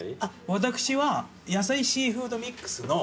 私は野菜シーフードミックスの２２。